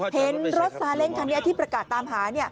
เห็นรถซาเล้งคันนี้ที่ประกาศตามหา